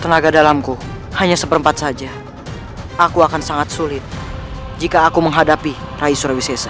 tenaga dalamku hanya seperempat saja aku akan sangat sulit jika aku menghadapi rai surawisesa